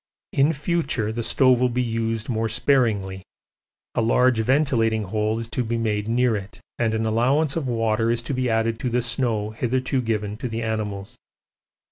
In future the stove will be used more sparingly, a large ventilating hole is to be made near it and an allowance of water is to be added to the snow hitherto given to the animals.